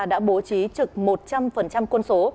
đã bố trí trực một trăm linh quân số